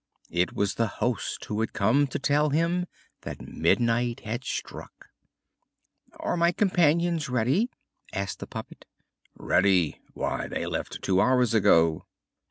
It was the host who had come to tell him that midnight had struck. "Are my companions ready?" asked the puppet. "Ready! Why, they left two hours ago."